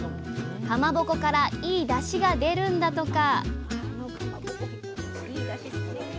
かまぼこからいいだしが出るんだとか